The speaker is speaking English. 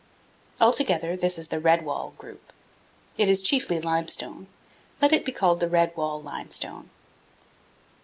Altogether this is the red wall group. It is chiefly limestone. Let it be called the red wall limestone.